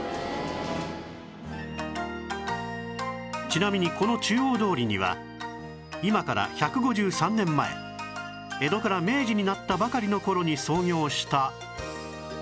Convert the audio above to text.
ちなみにこの中央通りには今から１５３年前江戸から明治になったばかりの頃に創業した